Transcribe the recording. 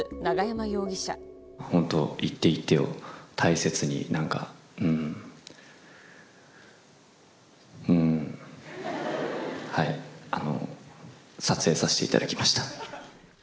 本当、一手一手を大切に、なんか、うん、うん、はい、撮影させていただきました。